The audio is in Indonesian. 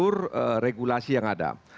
regulasi yang ada